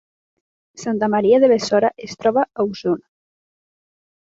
Santa Maria de Besora es troba a Osona